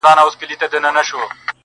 یوه ورخ مي زړه په شکر ګویا نه سو!!